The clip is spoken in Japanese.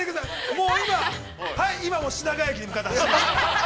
もう今、品川駅に向かって走ってます。